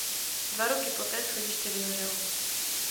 Dva roky poté schodiště vyhořelo.